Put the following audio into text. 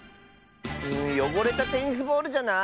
よごれたテニスボールじゃない？